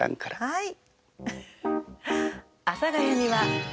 はい。